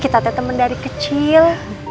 kita temen dari kecil